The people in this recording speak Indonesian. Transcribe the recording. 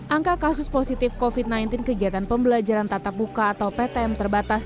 angka kasus positif covid sembilan belas kegiatan pembelajaran tatap muka atau ptm terbatas